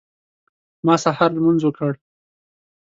ما سهار لمونځ وکړ.